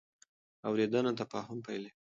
اورېدنه تفاهم پیلوي.